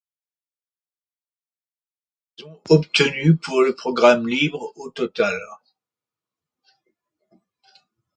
Ils ont obtenu pour le programme libre, au total.